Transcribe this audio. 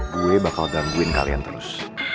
gue bakal gangguin kalian terus